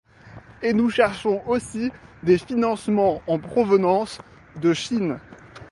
Et nous cherchons aussi des financements en provenance de Chine.